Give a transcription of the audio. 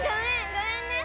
ごめんね！